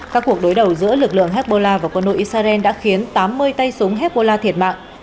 các cuộc đối đầu giữa lực lượng hezbollah và quân đội israel đã khiến tám mươi tay súng hezbollah thiệt mạng